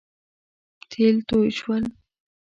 تېل توی شول